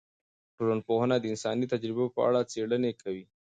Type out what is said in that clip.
ټولنپوهنه د انساني تجربو په اړه څیړنې کوي.